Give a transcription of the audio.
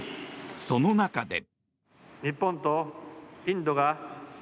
その中で。